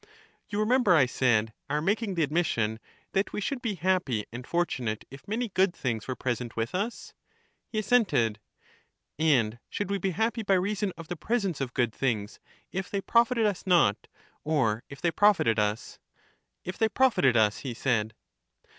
You remem ber, I said, our making the admission that we should be happy and fortunate if many good things were present with us? He assented. 234 EUTHYDEMUS And should we be happy by reason of the presence of good things, if they profited us not, or if they profited us? If they profited us, he said.